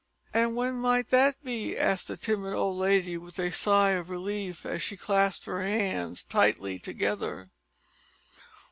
"And when might that be?" asked the timid old lady with a sigh of relief as she clasped her hands tightly together.